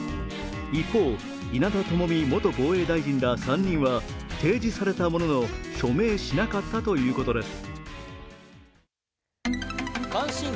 一方、稲田朋美元防衛大臣ら３人は提示されたものの署名しなかったということです。